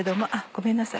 ごめんなさい